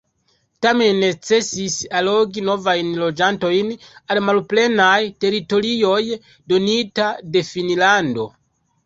Tamen necesis allogi novajn loĝantojn al malplenaj teritorioj donita de Finnlando.